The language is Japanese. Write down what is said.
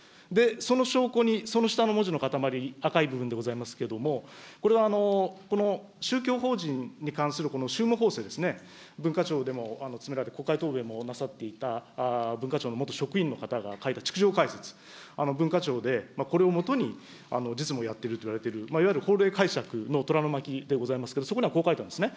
その証拠に、その下の文字の固まり、赤い部分でございますけれども、これはこの宗教法人に関する宗務ほうせいですね、文化庁でも詰められ、国会答弁もなさっていた文化庁の元職員の方が書いた逐条解説、文化庁でこれをもとに実務をやっているといわれている、いわゆる法令解釈の虎の巻でございますけれども、そこにはこう書いてあるんですね。